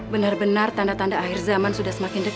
benar benar tanda tanda akhir zaman sudah semakin dekat